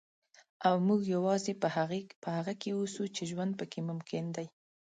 او موږ یوازې په هغه کې اوسو چې ژوند پکې ممکن دی.